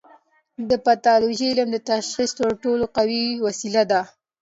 د پیتالوژي علم د تشخیص تر ټولو قوي وسیله ده.